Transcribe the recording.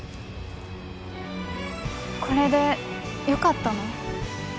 これで良かったの？